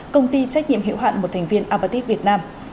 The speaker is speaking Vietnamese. công ty trách nhiệm hữu hạn một thành viên apartheid việt nam